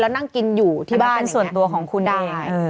แล้วนั่งกินอยู่ที่บ้านอย่างนี้ได้มันเป็นส่วนตัวของคุณเอง